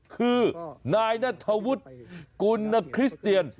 คือนายนัทธวุฒิกุณคริสเตียน